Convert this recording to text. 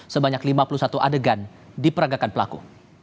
sebanyak lima puluh satu adegan diperagakan pelaku